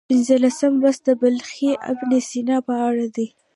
پنځلسم لوست د بلخي ابن سینا په اړه دی.